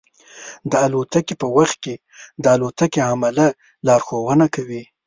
د الوتنې په وخت کې د الوتکې عمله لارښوونه کوي.